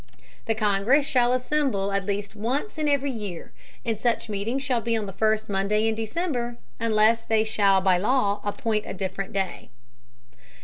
The Congress shall assemble at least once in every Year, and such Meeting shall be on the first Monday in December, unless they shall by Law appoint a different Day.